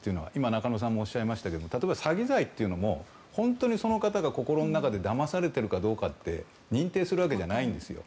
中野さんもおっしゃいましたが詐欺罪も本当にその人が心の中でだまされているかどうかって認定するわけじゃないんですよ。